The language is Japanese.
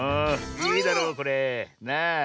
いいだろこれ。なあ。